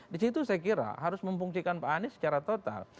di situ saya kira harus memfungsikan pak anies secara total